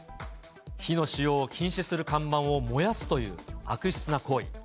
火の使用を禁止する看板を燃やすという、悪質な行為。